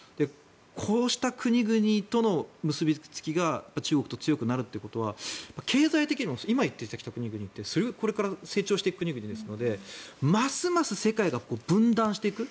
こうした国々との結びつきが中国と強くなるということは経済的にも今言ってきた国々って成長していく国ですのでますます世界が分断していく。